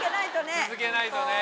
続けないとね。